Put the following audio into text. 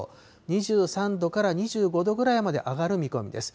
２３度から２５度ぐらいまで上がる見込みです。